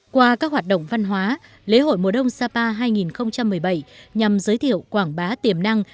qua các hoạt động văn hóa lễ hội mùa đông sapa hai nghìn một mươi bảy nhằm giới thiệu quảng bá tiềm năng